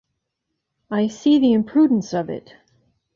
I see the imprudence of it.